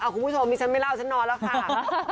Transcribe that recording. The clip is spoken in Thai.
คุณผู้ชมดิฉันไม่เล่าฉันนอนแล้วค่ะ